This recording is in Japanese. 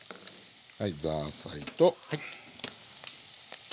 はいザーサイと豆。